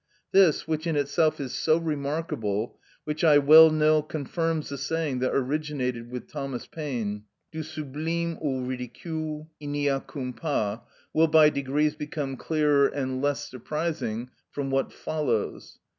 This, which in itself is so remarkable (which I well know confirms the saying that originated with Thomas Paine, Du sublime au ridicule il n'y a qu'un pas), will by degrees become clearer and less surprising from what follows.